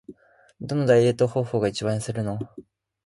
どのダイエット方法が一番痩せるの？